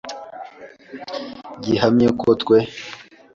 gihamye, ko twe